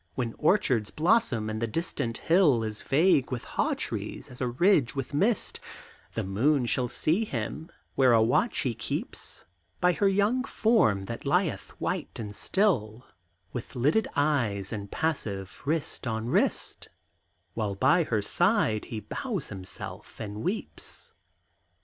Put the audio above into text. When orchards blossom and the distant hill Is vague with haw trees as a ridge with mist, The moon shall see him where a watch he keeps By her young form that lieth white and still, With lidded eyes and passive wrist on wrist, While by her side he bows himself and weeps.